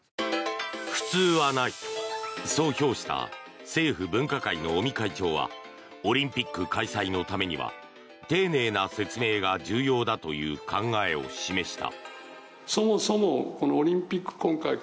そう評した政府分科会の尾身会長はオリンピック開催のためには丁寧な説明が重要だという考えを示した。